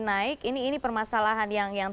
naik ini permasalahan yang